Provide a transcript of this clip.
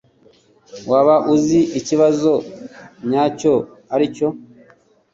Waba uzi ikibazo nyacyo aricyo